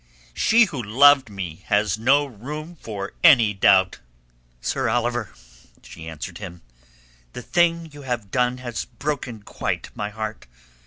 she who loved me has no room for any doubt!" "Sir Oliver," she answered him, "the thing you have done has broken quite my heart.